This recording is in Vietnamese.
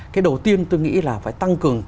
cái đầu tiên tôi nghĩ là phải tăng cường